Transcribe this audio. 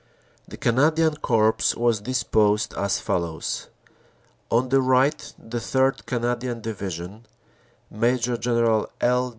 The Canadian Corps was disposed as follows : On the right the 3rd. Canadian Division, Major General L.